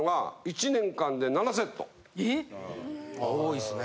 ・多いっすね。